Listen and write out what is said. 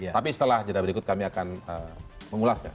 tapi setelah jeda berikut kami akan mengulasnya